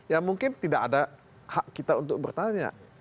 ya mungkin tidak ada hak kita untuk bertanya